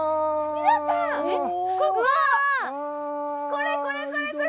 これこれこれこれ！